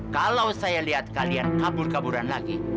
kalau saya lihat kalian kabur kaburan lagi